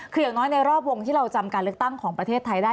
คืออย่างน้อยในรอบวงที่เราจำการเลือกตั้งของประเทศไทยได้